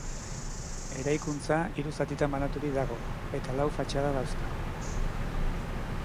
Eraikuntza hiru zatitan banaturik dago eta lau fatxada dauzka.